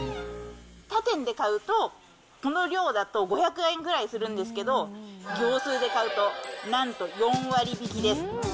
他店で買うと、この量だと５００円ぐらいするんですけど、業スーで買うとなんと４割引です。